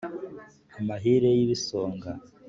amahiri y’ibisonga